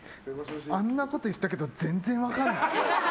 あんなこと言ったけど全然分かんない。